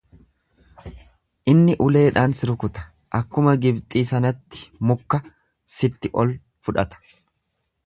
Inni uleedhaan si rukuta, akkuma Gibxii sanatti mukka sitti ol fudhata.